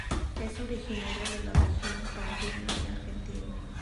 Es originaria de la región pampeana de Argentina.